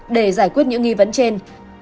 để giải quyết những nghi vấn trên